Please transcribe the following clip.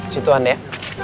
situ anda ya